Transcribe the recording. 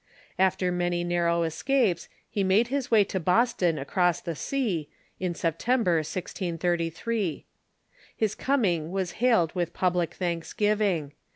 After many narrow escapes he made his way to Boston across the sea, in September, 1633. His coming was hailed with public thanksgiving.